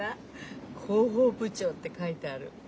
広報部長って書いてある。